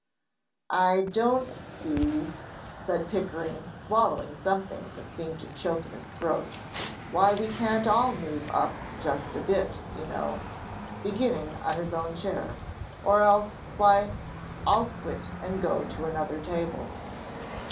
"I don't see," said Pickering, swallowing something that seemed to choke in his throat, "why we can't all move up, just a bit, you know," beginning on his own chair "or else, why, I'll quit and go to another table."